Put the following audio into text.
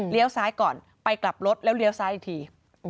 ซ้ายก่อนไปกลับรถแล้วเลี้ยวซ้ายอีกที